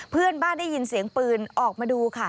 เพื่อนบ้านได้ยินเสียงปืนออกมาดูค่ะ